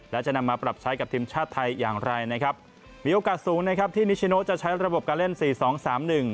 และจะนำมาปรับใช้กับทีมชาติไทยอย่างไรนะครับมีโอกาสสูงนะครับที่นิชโนจะใช้ระบบการเล่นสี่สองสามหนึ่ง